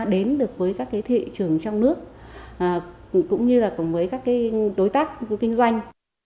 đến được với các cái thị trường trong nước cũng như là cùng với các cái đối tác của kinh doanh